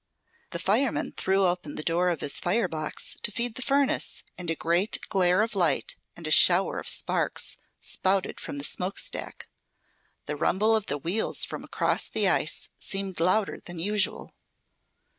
The fireman threw open the door of his firebox to feed the furnace and a great glare of light, and a shower of sparks, spouted from the smokestack. The rumble of the wheels from across the ice seemed louder than usual.